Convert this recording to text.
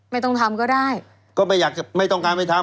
ไม่ต้องทำก็ได้ก็ไม่อยากจะไม่ต้องการไปทำ